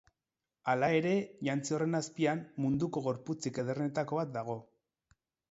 Hala ere, jantzi horren azpian, munduko gorputzik ederrenetako bat dago.